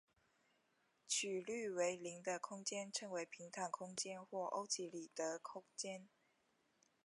曲率为零的空间称为平坦空间或欧几里得空间。